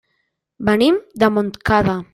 Venim de Montcada.